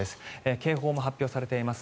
警報も発表されています。